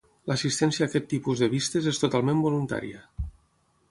L'assistència a aquest tipus de vistes és totalment voluntària.